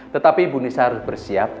tetapi ibu nisa harus bersiap